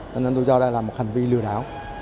cho nên tôi cho đây là một hành vi lừa đảo